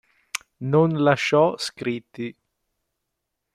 Non lasciò scritti.